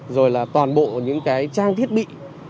rồi toàn bộ những trang thiết bị